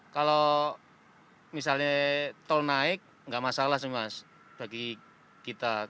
kalau misalnya tol naik enggak masalah bagi kita